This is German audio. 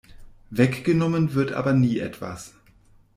Weggenommen wird aber nie etwas.